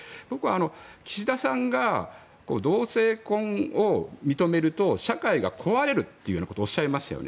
岸田さんが同性婚を認めると社会が壊れるということをおっしゃいましたよね。